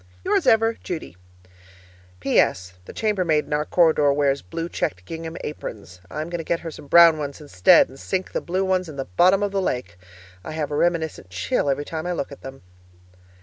Yours ever, Judy PS. The chamber maid in our corridor wears blue checked gingham aprons. I am going to get her some brown ones instead, and sink the blue ones in the bottom of the lake. I have a reminiscent chill every time I look at them.